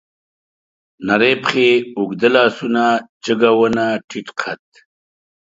نرۍ پښې، اوږده لاسونه، جګه ونه، ټيټ قد